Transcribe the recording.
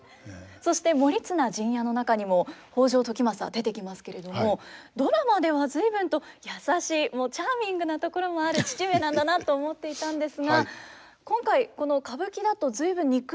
そして「盛綱陣屋」の中にも北条時政出てきますけれどもドラマでは随分と優しいチャーミングなところもある父上なんだなと思っていたんですが今回この歌舞伎だと随分憎々しい感じですね。